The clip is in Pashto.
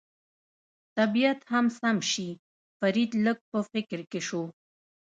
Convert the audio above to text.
طبیعت هم سم شي، فرید لږ په فکر کې شو.